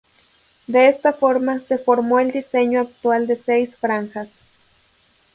De esta forma, se formó el diseño actual de seis franjas.